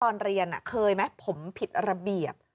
ตอนเรียนเคยไหมผมผิดระเบียบ